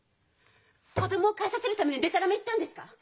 子供を返させるためにでたらめ言ったんですか！？